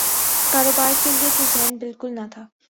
کاروبار کیلئے تو ذہن بالکل نہ تھا۔